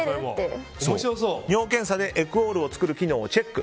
尿検査でエクオールを作る機能をチェック。